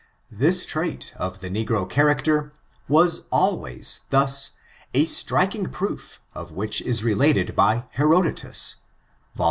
This trait of the negro character was always thus, a striking proof of which is related by Herodotus, Yol.